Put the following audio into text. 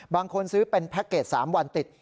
บางคนซื้อเป็นแพ็คเกจ๓วันติด